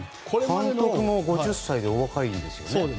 監督も５０歳とお若いんですよね。